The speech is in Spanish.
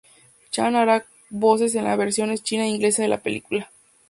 Chan hará voces en las versiones china e inglesa de la película.